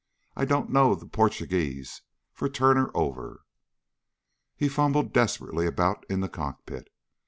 "I don't know the Portuguese for 'Turn her over'!" He fumbled desperately about in the cockpit.